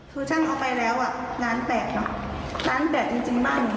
คือช่างเอาไปแล้วอ่ะร้านแปลกหรอร้านแปลกจริงจริงบ้างเนี้ย